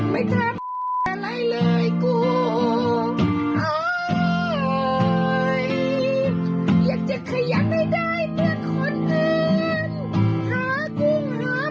ไม่ทำอะไรเลยกูอยากจะขยันไม่ได้เตือนคนอื่น